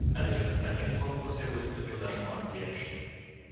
Але ж на самім конкурсе выступіў нашмат лепш.